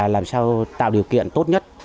làm sao tạo điều kiện tốt nhất